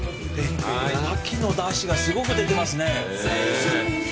カキのだしがすごく出てますね。